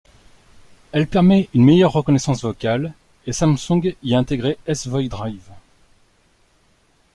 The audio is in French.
Elle permet une meilleure reconnaissance vocale et Samsung y a intégré S voice Drive.